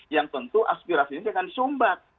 yang tentu aspirasi ini akan disumbat